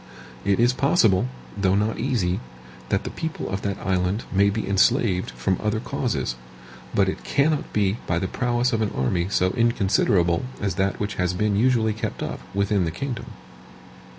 It is possible, though not easy, that the people of that island may be enslaved from other causes; but it cannot be by the prowess of an army so inconsiderable as that which has been usually kept up within the kingdom.